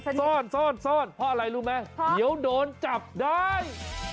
ซ่อนซ่อนเพราะอะไรรู้ไหมเดี๋ยวโดนจับได้